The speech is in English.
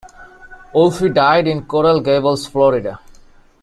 Wolfe died in Coral Gables, Florida.